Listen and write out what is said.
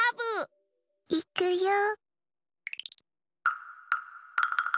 いくよ。